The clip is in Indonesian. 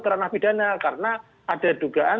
ke ranah pidana karena ada dugaan